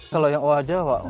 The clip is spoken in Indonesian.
kalau yang oha jawa